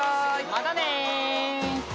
またね。